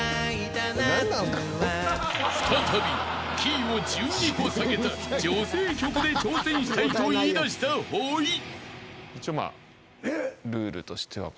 ［再びキーを１２個下げた女性曲で挑戦したいと言いだしたほい］